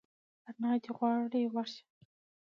انا دي غواړي ورشه !